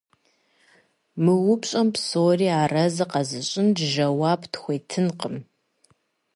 Мы упщӀэм псори арэзы къэзыщӀын жэуап тхуетынкъым.